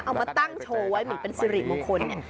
เอามาตั้งโชว์ไว้เหมือนเป็นสิริมงคลเนี่ย